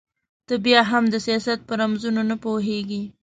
ته بيا هم د سياست په رموزو نه پوهېږې.